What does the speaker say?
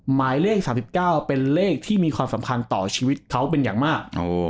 หมายเลข๓๙เป็นเลขที่มีความสำคัญต่อชีวิตเขาเป็นอย่างมาก